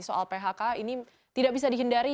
soal phk ini tidak bisa dihindari